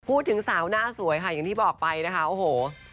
พูดถึงสาวหน้าสวยค่ะอย่างที่บอกไปนะคะโอ้โห